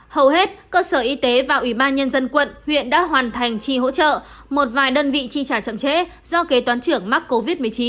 hầu hết cơ sở y tế và ủy ban nhân dân quận huyện đã hoàn thành chi hỗ trợ một vài đơn vị chi trả chậm trễ do kế toán trưởng mắc covid một mươi chín